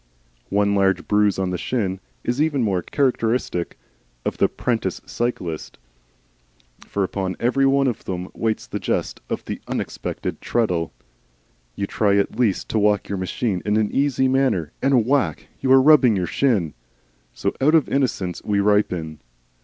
One large bruise on the shin is even more characteristic of the 'prentice cyclist, for upon every one of them waits the jest of the unexpected treadle. You try at least to walk your machine in an easy manner, and whack! you are rubbing your shin. So out of innocence we ripen.